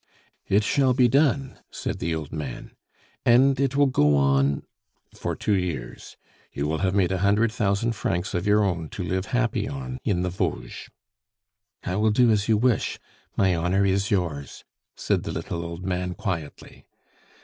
"It shall be done," said the old man. "And it will go on ?" "For two years, You will have made a hundred thousand francs of your own to live happy on in the Vosges." "I will do as you wish; my honor is yours," said the little old man quietly.